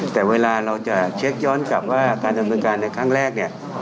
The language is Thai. แต่เวลาเราจะเช็คย้อนกลับว่าการดำเนินการในครั้งแรกเนี่ย